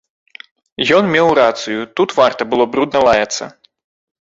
Ён меў рацыю, тут варта было брудна лаяцца.